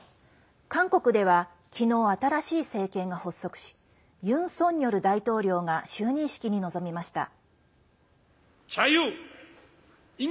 韓国では、きのう新しい政権が発足しユン・ソンニョル大統領が就任式に臨みました。